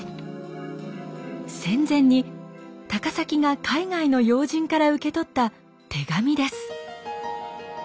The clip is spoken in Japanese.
戦前に高碕が海外の要人から受け取った手紙です。